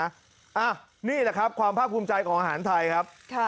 นี่แหละครับความภาคภูมิใจของอาหารไทยครับ